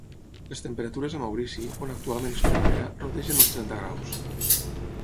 Les temperatures a Maurici, on actualment és primavera, rodegen els trenta graus.